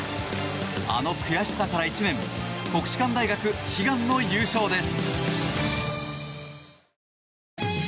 あの悔しさから１年国士舘大学、悲願の優勝です。